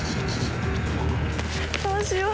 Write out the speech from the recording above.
どうしよう。